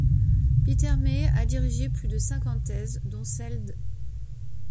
Peter May a dirigé plus de cinquante thèses, dont celle d'.